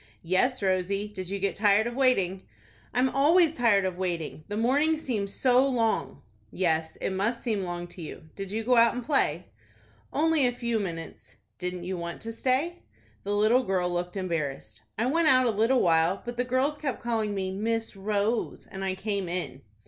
"Yes, Rosie. Did you get tired of waiting?" "I'm always tired of waiting. The mornings seem so long." "Yes, it must seem long to you. Did you go out and play?" "Only a few minutes." "Didn't you want to stay?" The little girl looked embarrassed. "I went out a little while, but the girls kept calling me Miss Rose, and I came in."